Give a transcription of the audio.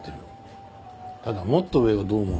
ただもっと上がどう思うか。